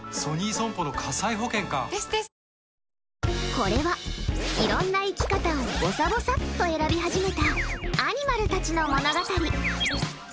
これは、いろんな生き方をぼさぼさっと選び始めたアニマルたちの物語。